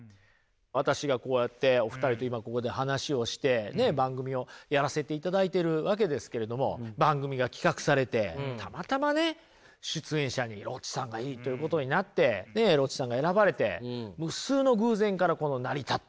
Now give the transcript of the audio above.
私がこうやってお二人と今ここで話をしてね番組をやらせていただいてるわけですけれども番組が企画されてたまたまね出演者にロッチさんがいいということになってでロッチさんが選ばれて無数の偶然からこの成り立ってる。